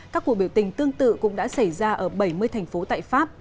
các cuộc biểu tình tương tự cũng đã xảy ra ở bảy mươi thành phố tại pháp